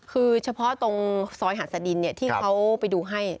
คือเฉพาะตรงซอยหาดสดินที่เขาไปดูให้